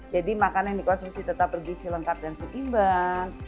jadi makanan yang dikonsumsi tetap bergisi lengkap dan seimbang